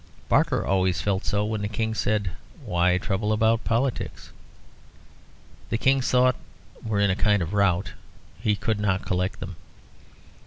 Barker always felt so when the King said, "Why trouble about politics?" The King's thoughts were in a kind of rout; he could not collect them.